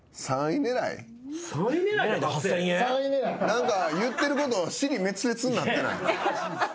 何か言ってること支離滅裂になってない？